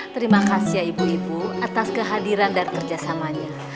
terima kasih ya ibu ibu atas kehadiran dan kerjasamanya